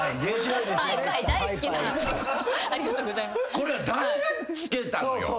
これは誰がつけたのよ。